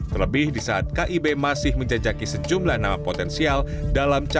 terlebih di saat kib masih menjejaki sejumlah nama potensial dalam capres dua ribu dua puluh empat